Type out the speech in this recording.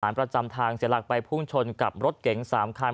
สารประจำทางเสียหลักไปพุ่งชนกับรถเก๋งสามคลาย